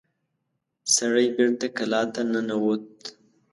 سړی بېرته کلا ته ننوت.